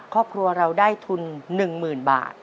ครอบครัวเราได้ทุนหนึ่งหมื่นบาท